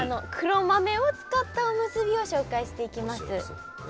黒豆を使ったおむすびを紹介していきます。